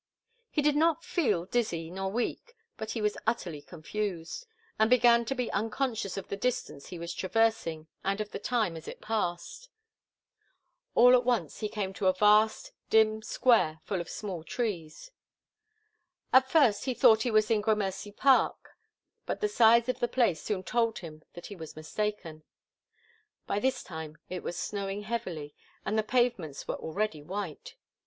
He did not feel dizzy nor weak, but he was utterly confused, and began to be unconscious of the distance he was traversing and of the time as it passed. All at once he came upon a vast, dim square full of small trees. At first he thought he was in Gramercy Park, but the size of the place soon told him that he was mistaken. By this time it was snowing heavily and the pavements were already white.